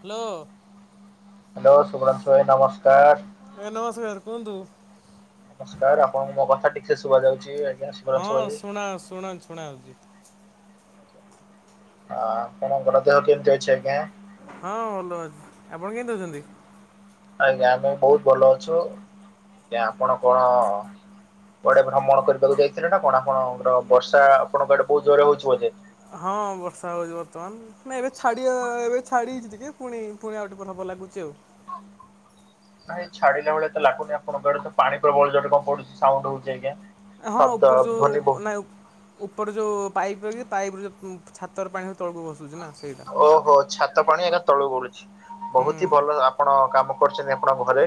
Hello hello Subhranshu ଭାଇ ନମସ୍କାର। ଭାଇ ନମସ୍କାର କୁହନ୍ତୁ? ନମସ୍କାର ଆପଣଙ୍କୁ ମୋ କଥା ଠିକ୍ ସେ ଶୁଭା ଯାଉଚି? ହଁ ଶୁଣା ଶୁଣ ଶୁଣା ହେଉଚି। ଆପଣଙ୍କ ର ଦେହ କେମିତି ଅଛି ଆଜ୍ଞା? ହଁ ଭଲ ଅଛି ଆପଣ କେମିତି ଅଛନ୍ତି? ଆଜ୍ଞା ଆମେ ବହୁତ୍ ଭଲ ଅଛୁ ଆଜ୍ଞା ଆପଣ କଣ କୁଆଡେ ଭ୍ରମଣ କରିବାକୁ ଯାଇଥିଲେ ନା କଣ ଆପଣଙ୍କ ର ବର୍ଷା ଆପଣଙ୍କ ଆଡେ ବହୁତ୍ ଜୋରରେ ହଉଚି ବୋଧେ ହଁ ବର୍ଷା ହଉଚି ବର୍ତ୍ତମାନ। ନାଇଁ ଏବେ ଛାଡି ଏବେ ଛାଡି ହେଇଯାଇଛି ଟିକେ ପୁଣି ପୁଣି ଆଉ ଟିକେ ହବ ଲାଗୁଚି ଆଉ ନାଇଁ ଛାଡିଲାଭଲିଆ ତ ଲାଗୁନି ଆପଣଙ୍କ ଆଡେ ତ ପାଣି ପ୍ରବଳ ଯୋରରେ କଣ ପଡୁଚି ସାଉଣ୍ଡ୍ ହଉଚି ଆଜ୍ଞା? ହଁ ଶବ୍ଦ ଉପର ଧ୍ୱନି ଯଉ ବହୁ ନାଇଁ ଉପର ଯୋଉ ପାଇପ୍ ଲାଗିଚି ପାଇପ୍ ରୁ ଯୋଉ ଛାତର ପାଣି ତଳକୁ ଖସୁଛି ନା ସେଇଠୁ। ଓହୋ ଛାତ ପାଣି ଏକା ତଳୁ ପଡୁଛି ହୁଁ। ବହୁତ ହି ଭଲ ଆପଣ କାମ କରୁଚନ୍ତି ଆପଣଙ୍କ ଘରେ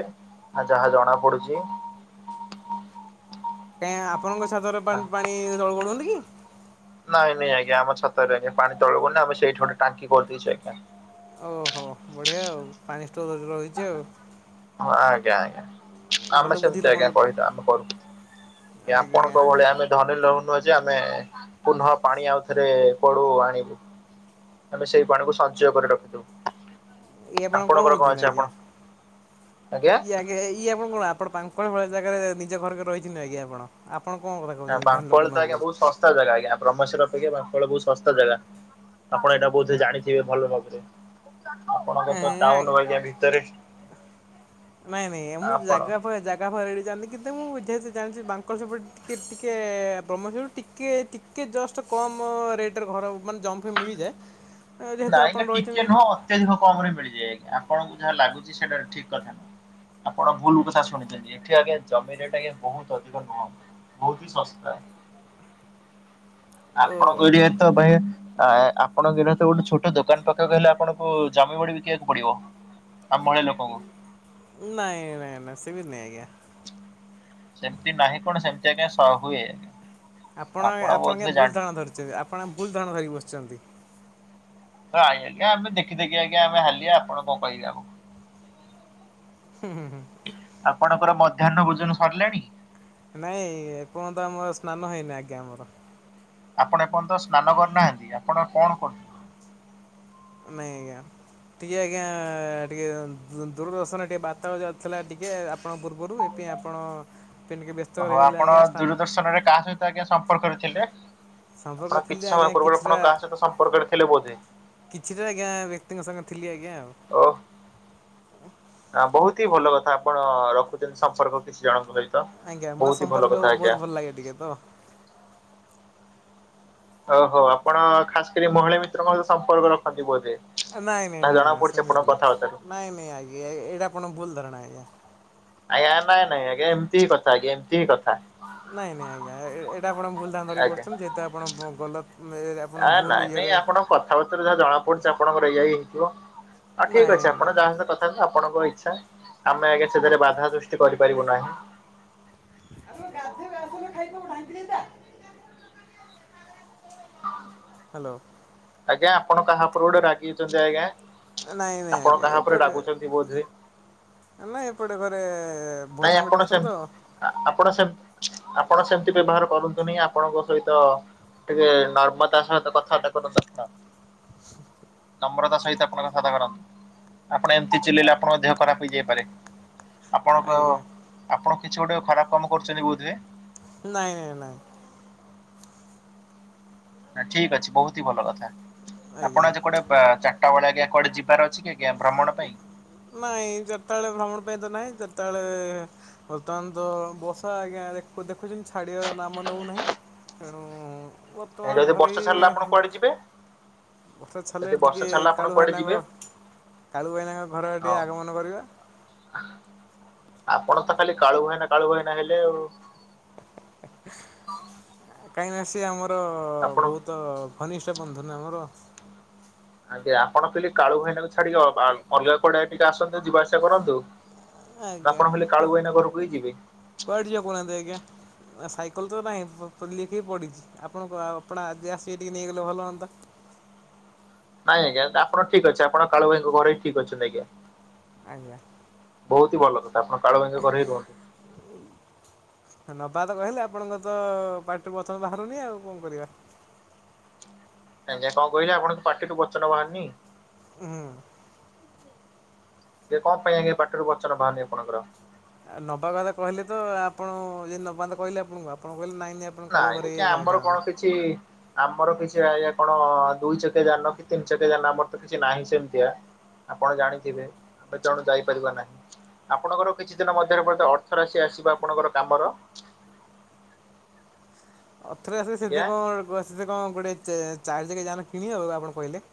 ଯାହା ଜଣା ପଡୁଚି। କାଇଁ ଆପଣଙ୍କ ଛାତ ରେ ପାଣି ପାଣି ତଳ କୁ ଗଡୁନି କି? ନାଇଁ ନାଇଁ ଆଜ୍ଞା ଆମ ଛାତରେ ପାଣି ତଳକୁ ଗଳୁନି ଆଜ୍ଞା ଆମେ ସେଠି ଗୋଟେ ଟାଙ୍କି କରିଦେଇଛୁ ଆଜ୍ଞା। ଓହୋ ବଢ଼ିଆ ଆଉ ପାଣି ଷ୍ଟୋର ରେ ରହିଛି ଆଉ ହଁ ଆଜ୍ଞା ଆଜ୍ଞା। ଭଲ ଆମେ ବୁଦ୍ଧିଲେ ସେମତି ଆପଣ ଆଜ୍ଞା ଲୋକ। କହିନୁ ଆମେ କରୁ ଏ ଆଜ୍ଞା ଆପଣଙ୍କ ଭଳିଆ ଆମେ ଧନୀ ଲୋକ ନୁହଁ ଯେ ଆମେ ପୁନଃ ପାଣି ଆଉଥରେ କୁଆଡୁ ଆଣିବୁ। ଆମେ ସେଇ ପାଣିକୁ ସଞ୍ଚୟ କରି ରଖି ଇଏ ଦୋଉ ଆପଣ ଆପଣଙ୍କର କହୁଛନ୍ତି କଣ ଅଛି ଆଜ୍ଞା? ଆପଣ ଆଜ୍ଞା। ଇଏ ଆପଣ କଣ ଆପଣ ପାଙ୍କଣ ଭଳି ଜାଗାରେ ନିଜେ ଘରକରିକି ରହିଛନ୍ତି ଆଜ୍ଞା ଆପଣ। ଆପଣ କଣ କଥା କହୁଛନ୍ତି ଧାନି ଲୋକ ବାଙ୍କଳ ତ ନୁହେଁ ଆଜ୍ଞା ବୋଲି? ବହୁତ ଶସ୍ତା ଜାଗା ଆଜ୍ଞା ବ୍ରହ୍ମେଶ୍ୱର ଅପେକ୍ଷା ପାଙ୍କଣ ବହୁ ଶସ୍ତା ଜାଗା। ଆପଣ ଏଇଟା ବୋଧେ ଜାଣିଥିବେ ଭଲ ଭାବରେ ଆପଣଙ୍କ ତ ଟାଉନୁ ନାଇଁ ବାଗିଆ ଭିତରେ ନାଇଁ ନାଇଁ ମୁଁ ଆପଣ ଜାଗା ଫାଗା ଜାଗା ଫାଗା କିଛି ଯାଣିନି କିନ୍ତୁ ମୁଁ ଜେହେତୁ ଜାଣିଛି ବାଙ୍କ ସେପଟେ ଟିକେ ଟିକେ ବ୍ରହ୍ମେଶ୍ୱର ଟିକେ ଟିକେ ଜଷ୍ଟ କମ୍ ରେଟ୍ ରେ ଘର ମାନେ ଜମି ଫମି ମିଳିଯାଏ। ନାଇଁ ଯେହେତୁ ଆଜ୍ଞା ଆପଣ ଟିକେ ରହିଛନ୍ତି। ନୁହଁ ଅତ୍ୟଧିକ କମ ରେ ମିଳିଯିବଏ ଆଜ୍ଞା ଆପଣଙ୍କୁ ଯାହା ଲାଗୁଛି ସେଟା ଠିକ୍ କଥା ନୁହଁ। ଆପଣ ଭୁଲ୍ କଥା ଶୁଣିଛନ୍ତି ଏଠି ଆଜ୍ଞା ଜମି ରେଟ୍ ଟା ବହୁତ ଅଧିକ ନୁହଁ ବହୁତ ହି ଶସ୍ତା ଆପଣଙ୍କ ଓହୋ ଏରିଆରେ ତ ଭାଇ ଆପଣଙ୍କ ଏରିଆ ତ ଗୋଟେ ଛୋଟ ଦୋକାନ ଦୋକାନ ପକାଇବାକୁ କହିଲେ ଆପଣଙ୍କୁ ଜମି ବାଡ଼ି ବିକିବାକୁ ପଡ଼ିବ ଆମ ଭଳିଆ ଲୋକଙ୍କୁ ନାଇଁ ନାଇଁ ନାଇଁ ସେମିତି ନାଇଁ ଆଜ୍ଞା ସେମିତି ନାହିଁ କଣ ସେମିତି ଆଜ୍ଞା ସବୁ ଏ ଆପଣ ଆପଣ କେ ଭୁଲ ଧାରଣା ଧରିଛନ୍ତି ଆପଣ ଭୁଲ ଧାରଣା ଧରିକି ବସିଛନ୍ତି। ଆଜ୍ଞା ଆମେ ଦେଖି ଦେଖି ଆଜ୍ଞା ଆମେ ହାଲିଆ ଆପଣ କଣ କହିବେ ଆମକୁ ହୁଁ ହୁଁ ହୁଁ। ଆପଣଙ୍କର ମଧ୍ୟାହ୍ନ ଭୋଜନ ସରିଲାଣି? ନାଇଁ ଏପର୍ଯ୍ୟନ୍ତ ଆମର ସ୍ନାନ ହେଇନି ଆଜ୍ଞା ଆମର ଆପଣ ଏପର୍ଯ୍ୟନ୍ତ ସ୍ନାନ କରିୁନାହାନ୍ତି ଆପଣ କଣ କରୁ ନାଇଁ ଆଜ୍ଞା ଟିକିଏ ଆଜ୍ଞା ଟିକେ ଦୂରଦର୍ଶନରେ ଟିକେ ବାର୍ତ୍ତା ଯଉଥିଲା ଟିକେ ଆପଣଙ୍କ ପୂର୍ବରୁ ପାଇଁ ଆପଣ ପାଇଁ ଟିକେ ବ୍ୟସ୍ତ ଓହୋ ରହିଗଲେ ଆପଣ ଆଜ୍ଞା ସ୍ଥାନ ଦୂରଦର୍ଶନ ରେ କାହା ସହିତ ଆଜ୍ଞା ସମ୍ପର୍କରେ ଥିଲେ? ସମ୍ପର୍କ ଆପଣ ଥିଲି କିଛି ଆଜ୍ଞା ସମୟ ପୂର୍ବରୁ କିଛିଟା ଆପଣ କାହା ସହିତ ସମ୍ପର୍କ ରେ ଥିଲେ ବୋଧେ କିଛିଟା ଆଜ୍ଞା ବ୍ୟକ୍ତିଙ୍କ ସାଙ୍ଗ ଥିଲି ଆଜ୍ଞା ଆଉ। ନା ବହୁତ ହି ଭଲ କଥା ଆପଣ ରଖୁଛନ୍ତି ସମ୍ପର୍କ କିଛି ଜଣଙ୍କ ସହିତ ଆଜ୍ଞା ମୋର ବହୁତ ହି ଭଲ ସମ୍ପର୍କ କଥା ଅ ଆଜ୍ଞା। ବହୁତ ଭଲ ଲାଗେ ଟିକେ ତ ଓହୋ ଆପଣ ଖାସ କରି ମହିଳା ମିତ୍ର ସହିତ ବି ସମ୍ପର୍କ ରଖନ୍ତି ବୋଧେ ନାଇଁ ନାଇଁ ନା ନାଇଁ ଜଣା ନାଇଁ ପଡୁଛି ଆପଣଙ୍କ ସେମିତି କଥାବାର୍ତ୍ତାରୁ। ନାଇଁ ନାଇଁ ଆଜ୍ଞା ଏଇଟା ଆପଣ ଭୁଲ ଧରଣା ଆଜ୍ଞା ଆଜ୍ଞା ନାଇଁ ନାଇଁ ଆଜ୍ଞା ଏମିତି କଥା ଆଜ୍ଞା ଏମିତି କଥା। ନାଇଁ ନାଇଁ ଆଜ୍ଞା ଏଇଟା ଆପଣ ଭୁଲ ଧାରଣା ଧରିକି ଆଜ୍ଞା। ବସିଛନ୍ତି ଯେହେତୁ ଆପଣ ଭଲ ଇଏରେ ଆ ନାଇଁ ନାଇଁ ଆପଣଙ୍କ କଥାବାର୍ତ୍ତା ଯାହା ଜଣା ପଡୁଛି ଆପଣଙ୍କର ଏୟହି ହେଇଥିବ। ଆ ଠିକ ନାଇଁ ଅଛି ନାଇଁ ଆପଣ ଯାହା ସହ କଥା ଆପଣଙ୍କ ଇଚ୍ଛା ଆମେ ଆଜ୍ଞା ସେଥିରେ ବାଧା ସୃଷ୍ଟି କରିପାରିବୁ ନାହିଁ। [unintelligible] ହ୍ୟାଲୋ। ଆଜ୍ଞା ଆପଣ କାହା ଉପରେ ଗୋଟେ ରାଗିଛନ୍ତି ଆଜ୍ଞା ନାଇଁ ନାଇଁ ଆପଣ ଆଜ୍ଞା କାହା ଉପରେ ରାଗୁଛନ୍ତି ବୋଧ ହୁଏ ଆମେ ଏପଟେ ଘରେ ନାଇଁ ଭୋଜନ ବି ଆପଣ ଡାକୁଛନ୍ତି ତ ସେମିତି ଆପଣ ସେ ଆପଣ ସେମିତି ବ୍ୟବହାର କରନ୍ତୁନି ଆପଣଙ୍କ ସହିତ ଟିକେ ନର୍ମତା ସହିତ କଥାବାର୍ତ୍ତା [unintelligible] କରିବା ଦରକାର। [inaudible] ନମ୍ରତା ସହିତ [unintelligible] ଆପଣ ଏମିତି ଚିଲେଇଲେ ଆପଣ ଖରାପ ହେଇଯାଇପାରେ ଆପଣ ଆଜ୍ଞା ଆପଣ କିଛି ଗୋଟେ ଖରାପ କାମ କରୁଛନ୍ତି ବୋଧେ ନାଇଁ ନାଇଁ ନାଇଁ ନା ଠିକ୍ ଅଛି ବହୁତ ହିଁ ଭଲ କଥା ଆଜ୍ଞା ଆପଣ ଆଜି କୁଆଡ଼େ ଚାରିଟା ବେଳେ ଆଜ୍ଞା କୁଆଡ଼େ ଯିବାର ଅଛି କି? ଆଜ୍ଞା ଭ୍ରମଣ ପାଇଁ ନାଇଁ ଯେତେବେଳେ ଭ୍ରମଣ ପାଇଁ ତ ନାହିଁ ଯେତେବେଳେ ବର୍ତମାନ ତ ବର୍ଷା ଆଜ୍ଞା ଦେଖୁଛନ୍ତି ଛାଡିବାର ନାମ ନଉ ନାହିଁ ତେଣୁ ଯଦି ବର୍ତ୍ତମାନ ଘରେ ବର୍ଷା ଛାଡିଲା ଆପଣ କୁଆଡେ ଯିବେ ବର୍ଷା ଛାଡିଲେ ଯଦି ବର୍ଷା ଟିକେ ଛାଡିଲା ଆପଣ କାଳୁ କୁଆଡେ ଯିବେ? ଭାଇନାଙ୍କ କାଳୁ ଭାଇନାଙ୍କ ଘର ଆଡେ ହଁ ଟିକେ ଆଗମନ କରିବା ଆପଣ ତ ଖାଲି କାଳୁ ଭାଇନା କାଳୁ ଭାଇନା ହେଲେ ଆଉ କାହିଁ ନା ସେ ଆମର ଆପଣ ବହୁତ ଘନିଷ୍ଠ ବନ୍ଧୁ ନା ଆମର ଆଜ୍ଞା ଆପଣ କହିଲେ କାଳୁ ଭାଇନାକୁ ଛାଡିକି ଅଲଗା କୁଆଡେ ଟିକେ ଆସନ୍ତୁ ଯିବା ଆସିବା କରନ୍ତୁ ଆପଣ ଖାଲି କାଳୁଭାଇନା ଘରକୁ ହି ଯିବେ କୁଆଡେ ଯିବା କହୁ ନାହାନ୍ତି ଆଜ୍ଞା ନା ସାଇକେଲ ତ ନାହିଁ [unintelligible] ଲିଖିକି ପଡ଼ିଛି ଆପଣଙ୍କୁ ଆଉ ଆପଣା ଆଜି ଆସିବେ ଟିକେ ନେଇଗଲେ ଭଲ ହୁଅନ୍ତା। ନାଇଁ ଆଜ୍ଞା ଆପଣ ଠିକ୍ ଅଛି ଆପଣ କାଳ ଭାଇଙ୍କ ଘରେ ହ ଠିକ୍ ଅଛନ୍ତି ଆଜ୍ଞା। ଆଜ୍ଞା। ବହୁତ ହି ଭଲ କଥା ଆପଣ କାଳୁ ଭାଇ ଙ୍କ ଘରେ ହିଁ [inaudible] ନବା ତ କହିଲେ ଆପଣଙ୍କର ତ ପାର୍ଟିରୁ ବଚନ ବାହାରୁନି ଆଉ କଣ କରିବା। ଆଜ୍ଞା କଆଁ କହିଲେ ଆପଣଙ୍କ ପାଟିରୁୁ ବଚନ ବାହାରୁର୍ନି? ହୁଁ। ଯେ କଣ ପାଇଁ ଆଜ୍ଞା ପାଟି ରୁ ବଚନ ବାହାରୁନି ପଣଙ୍କର? ଆଉ ନବା କଥା କହିଲେ ତ ଆପଣ ଯ ନବା କଥା କହିଲେ ଆପଣଙ୍କୁ ଆପଣ କଇଲେ ନାଇଁ ନାଇଁ ଆପଣ କାଳୁ ନାଇ ଘରେ ଏ ଆମର ଯାଇଥାନ୍ତି। କଣ କିଛି ଆମର କିଛି ଆଜ୍ଞା କଣ ଦୁଇ ଚକିଆ ଯାନ କି ତିନି ଚକିଆ ଯାନ ଆମର ତ କିଛି ନାହିଁ ସେମତିଆ ଆପଣ ଜାଣିଥିବେ ଜଣେ ଯାଇପାରିବ ନାହିଁ। ଆପଣଙ୍କର କିଛି ଦିନ ମଧ୍ୟରେ ଅର୍ଥ ରାଶି ଆସିବ ଆପଣଙ୍କର କାମର? ଅର୍ଥରେ ଆସେ ସେତେ ଆଜ୍ଞା। କଣ ସେ କଣ ଗୋଟେ ଚାରିଚକିଆ ଯାନ କିଣିହବ ଆପଣ କହିଲେ।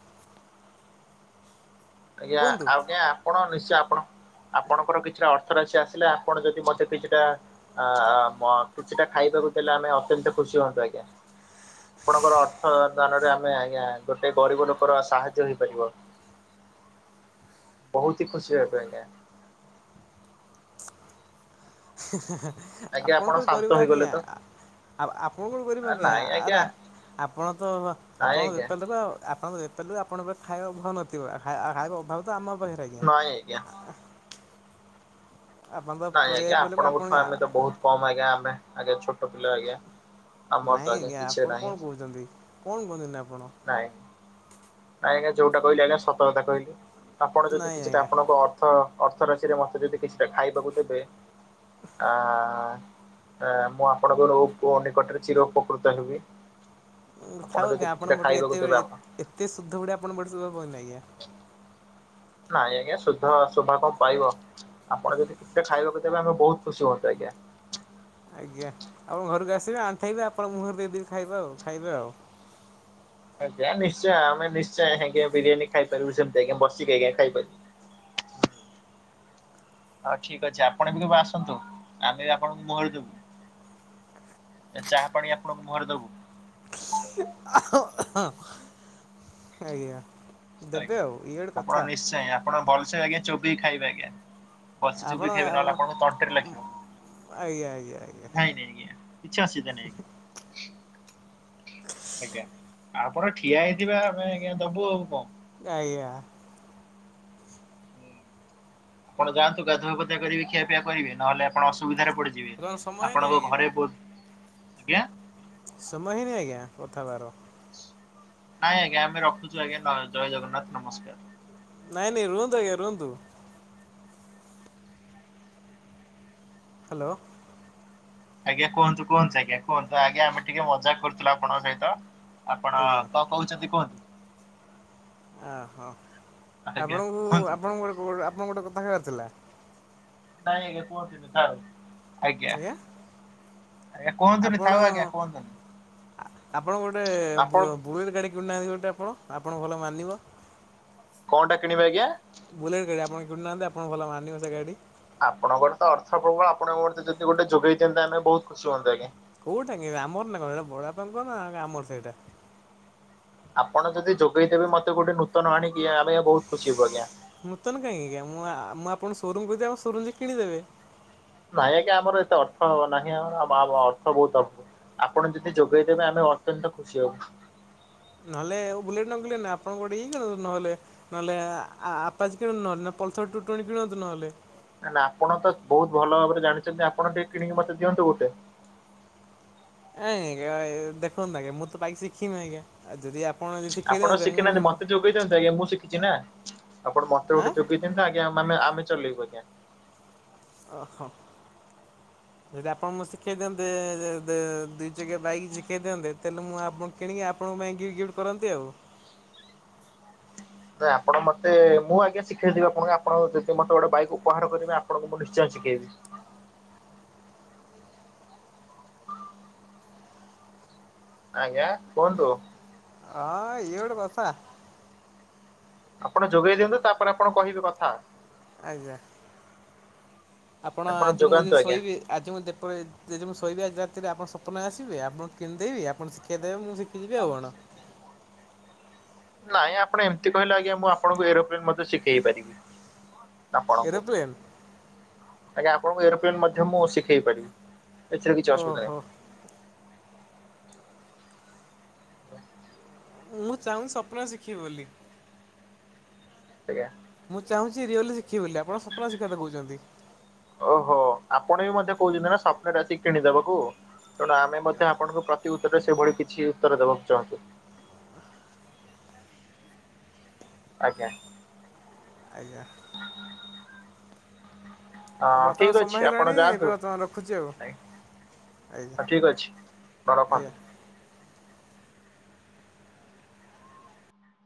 ଆଜ୍ଞା କୁହନ୍ତୁ। ଆଜ୍ଞା ଆପଣ ନିଶ୍ଚୟ ଆପଣ ଆପଣଙ୍କର କିଛିଟା ଅର୍ଥ ରାଶି ଆସିଲେ ଆପଣ ଯଦି ମତେ କିଛିଟା ଆ କିଛିଟା ଖାଇବାକୁ ଦେଲେ ଆମେ ଅତ୍ୟନ୍ତ ଖୁସି ହୁଅନ୍ତୁ ଆଜ୍ଞା। ଆପଣଙ୍କର ଅର୍ଥ ଦାନରେ ଆମେ ଆଜ୍ଞା ଗୋଟେ ଗରିବ ଲୋକର ସାହାଯ୍ୟ ହେଇପାରିବ। ବହୁତ ହି ଖୁସି ହେବେ ଆଜ୍ଞା। ଆଜ୍ଞା ଆପଣ କଣ ଶାନ୍ତ ଗରିବ ହେଇଗଲେ ଆଜ୍ଞା? ତ ଆଉ ଆପଣ କଣ କରିବ ଆଜ୍ଞା ଆରେ ଆପଣ ତ ନାଇଁ ଆପଣ ଆଜ୍ଞା [unintelligible] ଆପଣଙ୍କ ଯେତେବେଳେ ଆପଣଙ୍କ ଖାଇବା ଅଭାବ ନଥିବ ଖାଇବା ଅଭାବ ତ ଆମ ପାଖରେ ଆଜ୍ଞା। ନାଇଁ ଆଜ୍ଞା। ଆପଣ ତ ନାଇଁ ପରିବା ଆଜ୍ଞା ବେପାର ଲୋକ ଆପଣ ଆପଣଙ୍କଠୁ ଆମେ ତ ବହୁତ କମ ଆଜ୍ଞା ଆମେ ଆଜ୍ଞା ଛୋଟ ପିଲା ଆଜ୍ଞା। ଆମର ତ ନାଇଁ ଆଜ୍ଞା କିଛି ଆପଣ ନାହିଁ କଣ କହୁଚନ୍ତି କଣ କୁହତନ୍ତି ଆପଣ ନାଇଁ ନାଇଁ ଆଜ୍ଞା ଯୋଉଟା କଇଲି ଆଜ୍ଞା ସତକଥା କଇଲି ଆପଣ ଯଦି ନାଇଁ କିଛିଟା ଆଜ୍ଞା ଆପଣଙ୍କ ଅର୍ଥ ରାଶିରେ ମତେ ଯଦି କିଛିଟା ଖାଇବାକୁ ଦେବେ ଆ ଆ ମୁଁ ଆପଣଙ୍କ ର ପୁଅ ନିକଟରେ ଚିର ଉପକୃତ ହେବି। ଆପଣ ଥାଉ ଯଦି ଆଜ୍ଞା ଆପଣ କିଛିଟା ବଟେ ଖାଇବାକୁ ଦେବେ ଏତେଳେ ଆପଣ ଏତେ ସୁଧ ଉଡିଆ ଆପଣ ବଟେ ସୁଭିବା ଭଲ ନାହିଁ ଆଜ୍ଞା। ନାଇଁ ଆଜ୍ଞା ଶ ସୁଧ ଶୋଭା କଣ ପାଇବ ଆପଣ ଯଦି କିଛିଟା ଖାଇବାକୁ ଦେବେ ଆମେ ବହୁତ ଖୁସି ହୁଅନ୍ତୁ ଆଜ୍ଞା। ଆଜ୍ଞା ଆମ ଘରକୁ ଆସିବେ ଆଣ୍ଠେଇବେ ଆପଣ ମୁହଁରେ ଦେଇଦେବି ଖାଇବା ଆଉ ଖାଇବେ ଆଉ। ଆଜ୍ଞା ନିଶ୍ଚୟ ଆମେ ନିଶ୍ଚୟ ଆଜ୍ଞା ବିରିୟାନି ଖାଇପାରିବୁ ସେନ୍ତୀ ଆଜ୍ଞା ବସିକି ଆଜ୍ଞା ଖାଇପାରିବୁ। ହଉ ଠିକ ଅଛି ଆପଣ ବି କେବେ ଆସନ୍ତୁ ଆମେ ବି ଆପଣଙ୍କୁ ମୁହଁରେ ଦବୁ। ଚାହା ପାଣି ଆପଣଙ୍କୁ ମୁହରେ ଦବୁ, ଆଜ୍ଞା। ଆଜ୍ଞା ଦେବେ ଆଉ ଇଏ ଗୋଟେ ଆପଣ କଥା ନିଶ୍ଚୟ ଆପଣ ଭଲସେ ଆଜ୍ଞା ଚୋବେଇ ଖାଇବେ ଆଜ୍ଞା। ବସି ବୋବେଇ ଖାଇବେ ନହେଲେ ଆପଣ ଆପଣଙ୍କ ତଣ୍ଟି ରେ ଲାଖିବ ଆଜ୍ଞା ଆଜ୍ଞା ଆଜ୍ଞା ନାଇଁ ନାଇଁ ଆଜ୍ଞା। କିଛି ଅସୁବିଧା ନାଇଁ। ଆଜ୍ଞା ଆପଣ ଠିଆ ହେଇଥଥିବେ ଆମେ ଆଜ୍ଞା ଦବୁ ଆଉ କଅଁ। ଆଜ୍ଞା। ଆପଣ ଯାଆନ୍ତୁଗାଧୁଆ ପାଧୁଆ କରିବେ ଖିଆିପିଆ କରିବେ ନ ହେଲେ ଆପଣ ଅସୁବିଧାରେ ପଡିବେ। ଯିବି କଣ ସମୟ ହେଇନି ଆପଣଙ୍କ ଆଜ୍ଞା? ଘରେ ବହୁତ ଆଜ୍ଞା। ସମୟ ହେଇନି ଆଜ୍ଞା କଥାବାର। ନାଇଁ ଆଜ୍ଞା ଆମେ ରଖୁଛୁ ଆଜ୍ଞା ଜୟ ଜଗନ୍ନାଥ ନମସ୍କାର। ନାଇଁ ନାଇ ରୁହନ୍ତୁ ଆଜ୍ଞା ରୁହନ୍ତୁ। ହ୍ୟାଲୋ। ଆଜ୍ଞା କୁହନ୍ତୁ କୁହନ୍ତୁ ଆଜ୍ଞା କୁହନ୍ତୁ ଆଜ୍ଞା ଆମେ ଟିକେ ମଜା କରୁଥିଲୁ ଆପଣଙ୍କ ସହିତ ଆପଣ ଆଜ୍ଞା। ତ କଉଚ଼ନ୍ତି କୁହନ୍ତୁ। ଅହୋ ଆଜ୍ଞା ଆପଣଙ୍କୁ କୁହନ୍ତୁ। ଆପଣଙ୍କ ଗୋଟେ ଆପଣ ଗୋଟେ କଥା କହିବାର ଥିଲା। ନାଇଁ ଆଜ୍ଞା କୁହନ୍ତୁନି ଥାଉ। ଆଜ୍ଞା କୁହନ୍ତୁନି ଥାଉ ଆଜ୍ଞା କୁହନ୍ତୁନି ଆପଣ-ଆପଣ ଗୋଟେ ଆପଣ [unintelligible] ଗାଡ଼ି କିଣୁନାହାନ୍ତି ଗୋଟେ ଆପଣ, ଆପଣଙ୍କୁ ଭଲ ମାନିବ। କଣଟା କିଣିବି ଆଜ୍ଞା? ବୁଲେଟ୍ ଗାଡି ଆପଣ କିଣୁନାହାନ୍ତି, ଆପଣଙ୍କୁ ଭଲ ମାନିବ ସେ ଗାଡି। ଆପଣଙ୍କର ତ ଅର୍ଥ ପ୍ରବଳ ଆପଣ [unintelligible] ଯଦି ଗୋଟେ ଯୋଗେଇ ଦିଅନ୍ତେ, ଆମେ ବହୁତ୍ ଖୁସି ହୁଅନ୍ତୁ ଆଜ୍ଞା। କୋଉଟା କି ଆମର ନା କଣ, ସେଇଟା ବଡପାଙ୍କର ନା ଆମର ସେଇଟା। ଆପଣ ଯଦି ଯୋଗେଇଦେବେ ଦେବେ ମତେ ଗୋଟେ ନୂତନ ଆଣିକି, ଆମେ ବହୁତ୍ ଖୁସି ହବୁ ଆଜ୍ଞା। ନୁତନ କାହିଁକି ଆଜ୍ଞା ମୁଁ ଆପଣ ସୋରୁମ୍ [unintelligible] ସୋରୁମ୍ କୁ ଯାଇକି କିଣିଦେବେ। ନାଇଁ ଆଜ୍ଞା ଆମର ଏତେ ଅର୍ଥ ନାହିଁ ଅର୍ଥ ବହୁତ୍ ଅ ଆପଣ ଯଦି ଯୋଗେଇଦେବେ ଆମେ ଅତ୍ୟନ୍ତ ଖୁସି ହବୁ। ନହେଲେ ବୁଲେଟ୍ ନ [unintelligible] ନାଇଁ ଆପଣ ଗୋଟେ [unintelligible] ନହେଲେ। ନହେଲେ ଆପାଚି କିଣନ୍ତୁ ନହେଲେ, ନହେଲେ ପଲ୍ସର୍ ଟୁ ଟୋନ୍ଟି କିଣନ୍ତୁ ନହେଲେ। ନା-ନା ଆପଣ ତ ବହୁତ୍ ଭଲ ଭାବରେ ଜାଣିଛନ୍ତି, ଆପଣ ଟିକେ କିଣିକି ମତେ ଦିଅନ୍ତୁ ଗୋଟେ। [unintelligible] ଆଜ୍ଞା ଦେଖନ୍ତୁ ଆଜ୍ଞା ମୁଁ ତ ବାଇକ୍ ଶିଖିନି ଆଜ୍ଞା। ଆଉ ଯଦି ଆପଣ ଯଦି ଶିଖେଇ ଆପଣ ଦିଅନ୍ତେ ମୁଁ ଶିଖିନାହାନ୍ତି ମତେ ଯୋଗେଇଦିଅନ୍ତୁ ଆଜ୍ଞା ମୁଁ ଶିଖିଛି ନା, ଆପଣ ମତେ ଆଁ ଗୋଟେ ଯୋଗେଇ କେନ୍ତା ଆଜ୍ଞା ମାନେ ଚଲେଇବୁ ଆଜ୍ଞା। ଓହୋ। ଯଦି ଆପଣ ମତେ ଶିଖେଇ ଦିଅନ୍ତେ ଦୁଇ ଚକିଆ ବାଇକ୍ ଶିଖେଇ ଦିଅନ୍ତେ, ତାହେଲେ ମୁଁ ଆପଣ କିଣିକି ଆପଣଙ୍କ ପାଇଁ ଗିଫ୍ଟ-ଗିଫ୍ଟ କରନ୍ତି ଆଉ। ନାଇଁ ଆପଣ ମତେ ମୁଁ ଆଜ୍ଞା ଶିଖେଇେଦେବି ଆପଣଙ୍କୁ ଆପଣ ଯଦି ମତେ ଗୋଟେ ବାଇକ୍ ଉପହାର କରିବେ, ଆପଣଙ୍କୁ ମୁଁ ନିଶ୍ଚୟ ଶିଖେଇବି। ଆଜ୍ଞା କୁହନ୍ତୁ। ହଁ ଇଏ ଗୋଟେ କଥା। ଆପଣ ଯୋଗେଇ ଦିଅନ୍ତୁ ତାପରେ ଆପଣ କହିବେ କଥା। ଆଜ୍ଞା। ଆପଣ ଆଜି ମୁଁ ଯେ ଯୋଗାନ୍ତୁ ଆଜ୍ଞା ଶୋଇବି ଆଜି ମୁଁ [unintelligible] ଯେଦି ମୁଁ ଶୋଇବି ଆଜି ରାତିରେ ଆପଣ ସପନରେ ଆସିବେ ଆପଣ କିଣିଦେବି, ଆପଣ ଶିଖେଇ ଦେବେ ମୁଁ ଶିଖିଯିବି ଆଉ କଣ। ନାଇଁ ଆପଣ ଏମ୍ତି କହିଲେ ଆଜ୍ଞା ମୁ ଆପଣଙ୍କୁ ଏରୋପ୍ଲେନ୍ ମଧ୍ୟ ଶିଖେଇ ପାରିବି। ଆପଣଙ୍କୁ। ଏରୋପ୍ଲେନ୍ ଆଜ୍ଞା ଆପଣଙ୍କୁ ଏରୋପ୍ଲେନ୍ ମଧ୍ୟ ମୁଁ ଶିଖେଇ ପାରିବି, ଏଥିରେ କିଛି ଅସୁବିଧା ଓହୋ ନାହିଁ। ମୁଁ ଚାହୁଁ ସ୍ୱପ୍ନ ଶିଖିବି ବୋଲି। ଆଜ୍ଞା। ମୁଁ ଚାହୁଁଚି ରିଅଲ୍ ରେ ଶିଖିବି ବୋଲି, ଆପଣ ସପ୍ନରେ ଶିଖିବା କଥା କହୁଚନ୍ତି। ଓହୋ ଆପଣ ବି ମଧ୍ୟ କହୁଚନ୍ତି ନା ସ୍ୱପ୍ନରେ ଆସିକି କିଣିଦବାକୁ। ତେଣୁ ଆମେ ମଧ୍ୟ ଆପଣଙ୍କୁ ପ୍ରତି ଉତ୍ତରରେ ସେଭଳି କିଛି ଉତ୍ତର ଦେବାକୁ ଚାହୁଁଚୁ। ଆଜ୍ଞା। ଆଜ୍ଞା। ହଁ ଆଉ ବର୍ତ୍ତମାନ ଠିକ୍ ସମୟ ଅଛି ଆପଣ ହେଇଗଲାଣି ଏବେ ଯାଆନ୍ତୁ। ବର୍ତ୍ତମାନ ରଖୁଛି ଆଉ ଆଜ୍ଞା ହଁ ଠିକ୍ ଅଛି [unintelligible] ଆଜ୍ଞା। ରଖନ୍ତୁ।